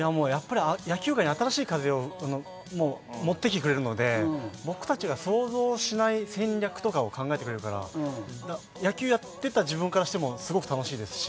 野球界に新しい風を持ってきてくれるので僕たちが想像しない戦略とかを考えてくれるから、野球やっていた自分からしてもすごく楽しいですし。